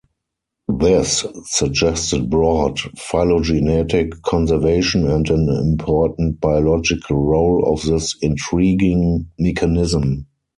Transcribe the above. This suggested broad phylogenetic conservation and an important biological role of this intriguing mechanism.